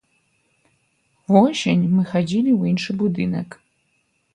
Увосень мы хадзілі ў іншы будынак.